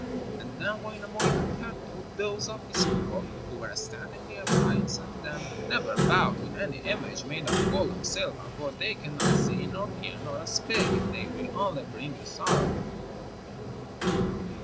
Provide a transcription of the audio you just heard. And then Wainamoinen turned to those of his people who were standing near by, and said to them: 'Never bow to any image made of gold or silver, for they cannot see, nor hear, nor speak, and they will only bring you sorrow.'